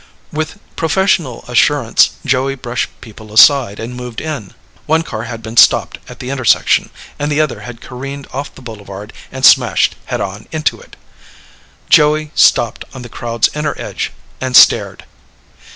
With professional assurance, Joey brushed people aside and moved in. One car had been stopped at the intersection and the other had careened off the boulevard and smashed head on into it. Joey stopped on the crowd's inner edge and stared.